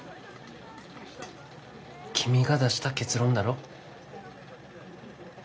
君が出した結論だろ。